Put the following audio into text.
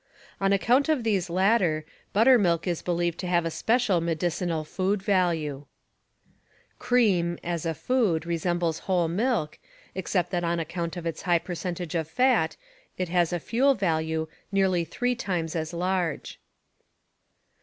On account of these latter, buttermilk is believed to have a special medicinal food value. Cream, as a food, resembles whole milk, except that on account of its high percentage of fat it has a fuel value nearly three times as large.